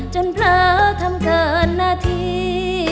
จนเผลอทำเกินนาที